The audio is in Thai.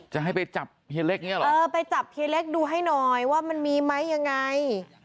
จะให้ไปจับเฮเล็กเนี้ยเหรอเออไปจับเฮเล็กดูให้หน่อยว่ามันมีมั้ยยังไง